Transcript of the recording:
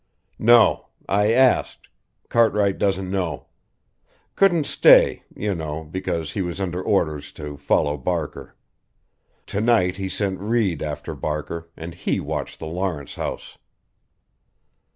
"No. I asked. Cartwright doesn't know. Couldn't stay, you know because he was under orders to follow Barker. Tonight he sent Reed after Barker and he watched the Lawrence house."